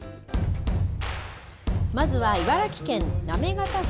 まずは茨城県行方市。